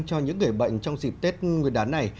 cho những người bệnh trong dịp tết người đá này